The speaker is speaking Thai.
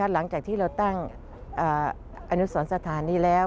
หลังจากที่เราตั้งอนุสรสถานนี้แล้ว